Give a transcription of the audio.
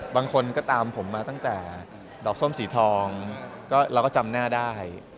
บางคนก็ตามผมมาตั้งแต่ดอกส้มสีทองเราก็จำหน้าได้